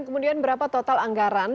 kemudian berapa total anggaran